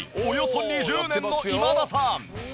およそ２０年の今田さん。